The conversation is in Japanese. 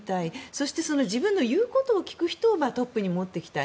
そして、自分の言うことを聞く人をトップに持ってきたい。